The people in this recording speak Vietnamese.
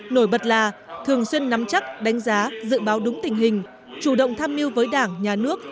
nổi bật là thường xuyên nắm chắc đánh giá dự báo đúng tình hình chủ động tham mưu với đảng nhà nước